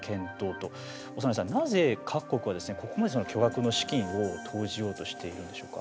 長内さん、なぜ各国はここまで巨額の資金を投じようとしているんでしょうか。